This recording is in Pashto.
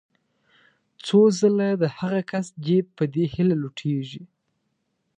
څو ځله د هغه کس جېب په دې هیله لوټېږي.